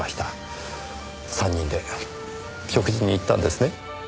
３人で食事に行ったんですね？